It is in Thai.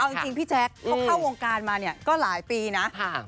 เอาจริงพี่แจ๊คเขาเข้าวงการมาเนี่ยก็หลายปีนะ